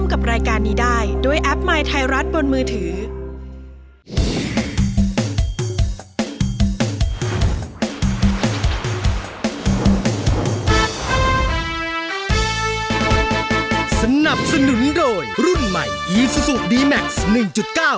ก็ร้องได้ให้ร้าง